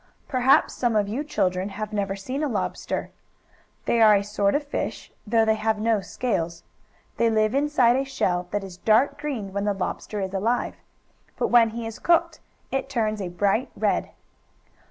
Perhaps some of you children have never seen a lobster. They are a sort of fish, though they have no scales. They live inside a shell that is dark green when the lobster is alive. But when he is cooked it turns a bright red.